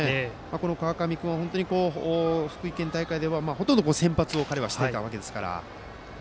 この川上君は福井県大会でほとんど先発をしていたわけですから。